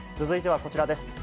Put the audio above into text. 続いてはこちらです。